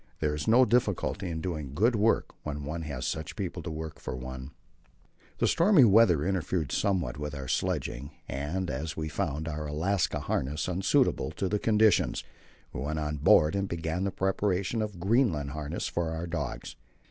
There is no difficulty in doing good work when one has such people to work for one. The stormy weather interfered somewhat with our sledging, and as we found our Alaska harness unsuitable to the conditions, we went on board and began the preparation of Greenland harness for our dogs.